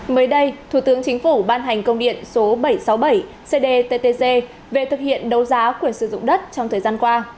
mới đây thủ tướng chính phủ ban hành công điện số bảy trăm sáu mươi bảy cdttg về thực hiện đấu giá quyền sử dụng đất trong thời gian qua